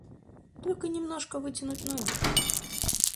Только немножко вытянуть ноги.